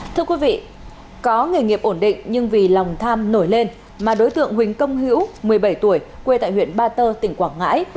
thưa quý vị có nghề nghiệp ổn định nhưng vì lòng tham nổi lên mà đối tượng huỳnh công hữu một mươi bảy tuổi quê tại huyện ba tơ tỉnh quảng ngãi